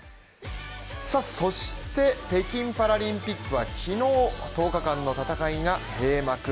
そして北京パラリンピックは昨日、１０日間の戦いが閉幕。